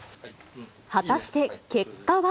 果たして、結果は。